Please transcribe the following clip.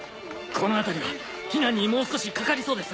この辺りは避難にもう少しかかりそうです。